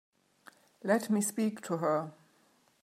Let me speak to her.